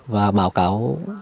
và báo cáo